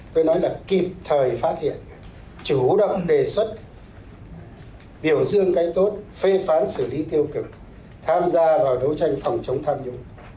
tôi nói là kịp thời phát hiện chủ động đề xuất biểu dương cái tốt phê phán xử lý tiêu cực tham gia vào đấu tranh phòng chống tham nhũng